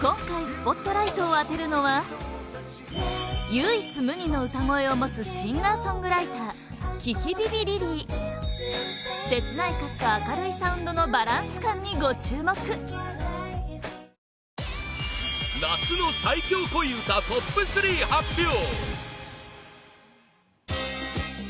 今回スポットライトを当てるのは唯一無二の歌声を持つシンガーソングライターｋｉｋｉｖｉｖｉｌｉｌｙ切ない歌詞と明るいサウンドのバランス感にご注目夏の最強恋うたトップ３発表！